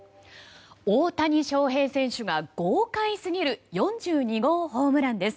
大谷翔平選手が、豪快すぎる４２号ホームランです。